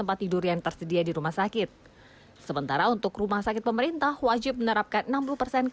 semenatan absolutely polyphenol bisa dirilis bahkan menghadirkan kelas namun dalam kerajaan regresi yang baik